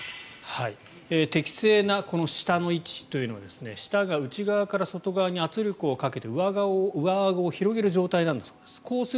適正な舌の位置というのは舌が内側から外側に圧力をかけて上あごを広げる状態なんだそうです。